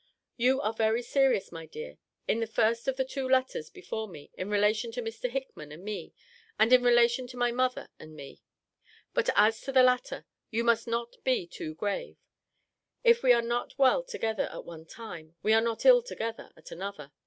You are very serious, my dear, in the first of the two letters before me, in relation to Mr. Hickman and me; and in relation to my mother and me. But as to the latter, you must not be too grave. If we are not well together at one time, we are not ill together at another.